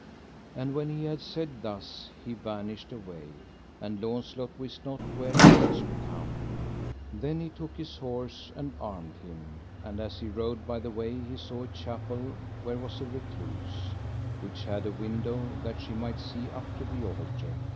And when he had said thus he vanished away, and Launcelot wist not where he was become. Then he took his horse, and armed him; and as he rode by the way he saw a chapel where was a recluse, which had a window that she might see up to the altar.